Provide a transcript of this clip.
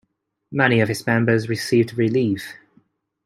Many of his members received relief.